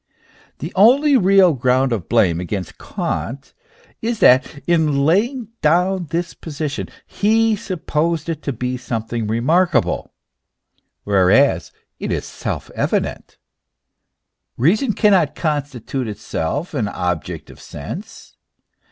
The only real ground of blame against Kant is, that in laying down this position he supposed it to be some thing remarkable, whereas it is self evident. Keason cannot constitute itself an object of sense.